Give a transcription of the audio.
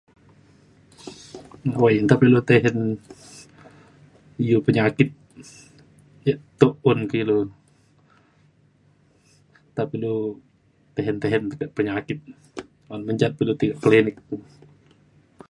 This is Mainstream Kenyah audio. awai nta pa ilu tehen u penyakit ia tuk un ka ilu nta pe ilu tehen tehen tekek penyakit un mencat pa ilu tai ka klinik